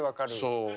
そう。